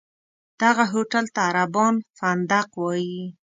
دغه هوټل ته عربان فندق وایي.